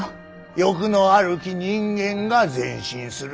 欲のあるき人間が前進する。